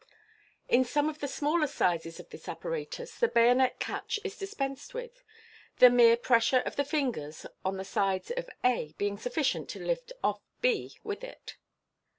In some of the smaller sizes of this apparatus the bayonet caich is dispensed with, the mere essure of the fingers on the sides of a being sufficient to lift off b with it.